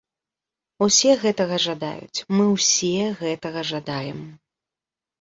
Усе гэтага жадаюць, мы ўсе гэтага жадаем.